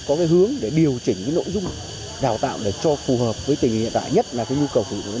có cái hướng để điều chỉnh cái nội dung đào tạo để cho phù hợp với tình hình hiện tại nhất là cái nhu cầu của doanh nghiệp